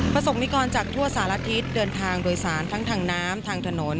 สกนิกรจากทั่วสารทิศเดินทางโดยสารทั้งทางน้ำทางถนน